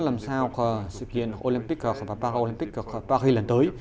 làm sao sự kiện olympic paralympic paris lần tới